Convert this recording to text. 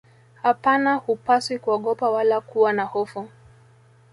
Hapana hupaswi kuogopa wala kuwa na hofu